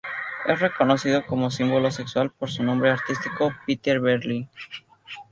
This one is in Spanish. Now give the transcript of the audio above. Es reconocido como símbolo sexual por su nombre artístico Peter Berlín.